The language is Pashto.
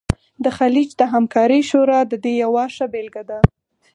د خلیج د همکارۍ شورا د دې یوه ښه بیلګه ده